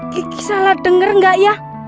kiki salah denger gak ya